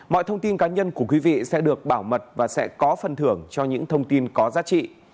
mọi thông tin cá nhân của quý vị sẽ được bảo mật và sẽ có phần thưởng cho những thông tin có giá trị